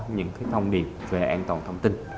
những thông điệp về an toàn thông tin